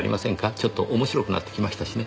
ちょっとおもしろくなってきましたしね。